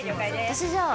私じゃあ。